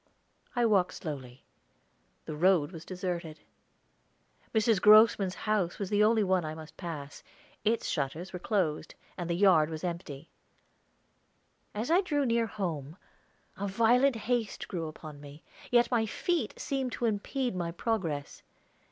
I walked slowly. The road was deserted. Mrs. Grossman's house was the only one I must pass; its shutters were closed, and the yard was empty. As I drew near home a violent haste grew upon me, yet my feet seemed to impede my progress.